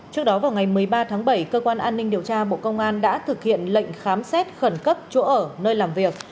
trước đó vào ngày một mươi ba tháng bảy cơ quan an ninh điều tra bộ công an đã thực hiện lệnh khám xét khẩn cấp chỗ ở nơi làm việc